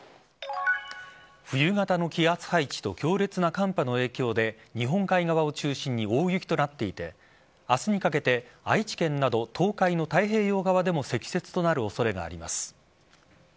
冬型の気圧配置と強烈な寒波の影響で日本海側を中心に大雪となっていて明日にかけて、愛知県など東海の太平洋側でも積雪となる恐れがあります。